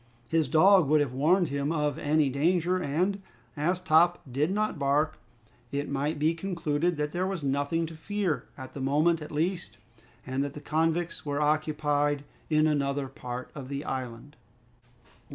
His dog would have warned him of any danger, and, as Top did not bark, it might be concluded that there was nothing to fear at the moment at least, and that the convicts were occupied in another part of the island.